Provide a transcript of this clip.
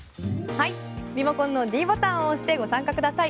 リモコンのｄボタンを押してご参加ください。